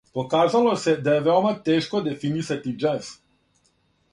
Показало се да је веома тешко дефинисати џез...